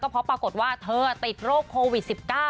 เฝรติดโรคโควิด๑๙